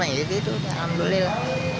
ya gitu alhamdulillah